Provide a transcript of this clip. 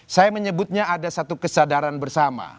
saya menyebutnya ada satu kesadaran bersama